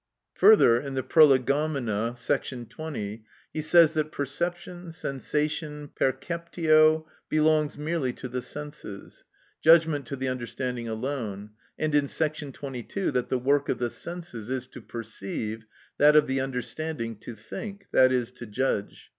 Further, in the "Prolegomena," § 20, he says that perception, sensation, perceptio, belongs merely to the senses; judgment to the understanding alone; and in § 22, that the work of the senses is to perceive, that of the understanding to think, i.e., to judge.